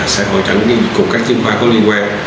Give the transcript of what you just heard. sẽ hội chẩn cùng các chuyên khoa có liên quan